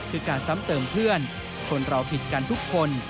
คือการซ้ำเติมเพื่อนคนเราผิดกันทุกคน